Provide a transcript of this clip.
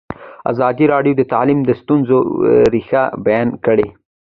ازادي راډیو د تعلیم د ستونزو رېښه بیان کړې.